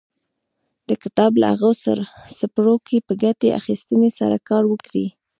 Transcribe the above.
د کتاب له هغو څپرکو په ګټې اخيستنې سره کار وکړئ.